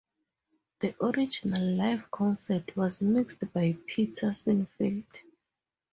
The original live concert was mixed by Peter Sinfield.